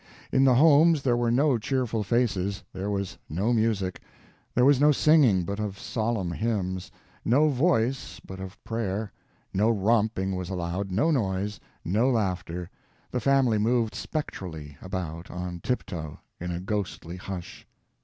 In the homes there were no cheerful faces, there was no music, there was no singing but of solemn hymns, no voice but of prayer, no romping was allowed, no noise, no laughter, the family moved spectrally about on tiptoe, in a ghostly hush.